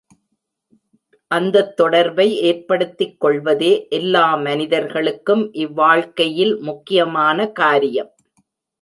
அந்தத் தொடர்பை ஏற்படுத்திக் கொள்வதே எல்லா மனிதர்களுக்கும் இவ் வாழ்க்கையில் முக்கியமான காரியம்.